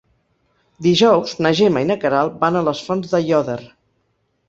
Dijous na Gemma i na Queralt van a les Fonts d'Aiòder.